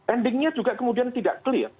endingnya juga kemudian tidak clear